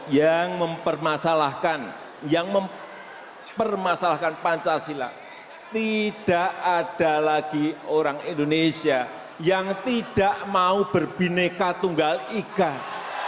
yang mempermasalahkan yang mempermasalahkan pancasila tidak ada lagi orang indonesia yang tidak mau berbineka tunggal ikan